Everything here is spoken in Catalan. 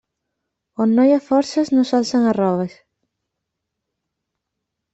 On no hi ha forces no s'alcen arroves.